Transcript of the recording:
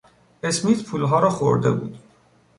اسمیت پولها را خورده بود.